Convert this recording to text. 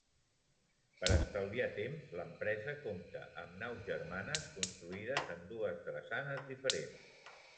Per estalviar temps, l'empresa compta amb naus germanes construïdes en dues drassanes diferents.